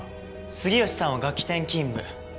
杉好さんは楽器店勤務。